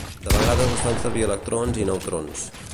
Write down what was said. De vegades es fan servir electrons i neutrons.